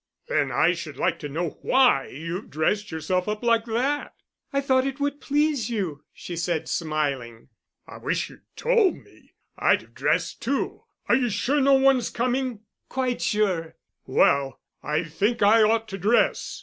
"Then I should like to know why you've dressed yourself up like that." "I thought it would please you," she said, smiling. "I wish you'd told me I'd have dressed too. Are you sure no one's coming?" "Quite sure." "Well, I think I ought to dress.